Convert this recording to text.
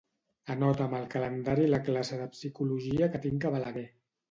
Anota'm al calendari la classe de psicologia que tinc a Balaguer.